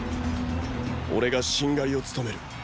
俺が“殿”を務める。